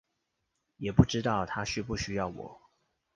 也不知道他需不需要我